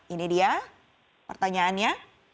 ini dia pertanyaannya